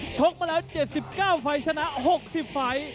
โชคมาแล้ว๗๙ไฟชนะ๖๐ไฟ